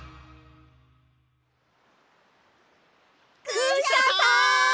クシャさん！